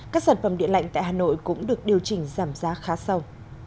các sản phẩm điện lạnh tại hà nội cũng được điều chỉnh giảm giá khá sâu